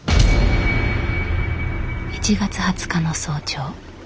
１月２０日の早朝。